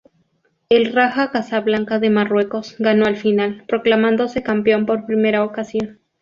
El Raja Casablanca de Marruecos ganó la final, proclamándose campeón por primera ocasión.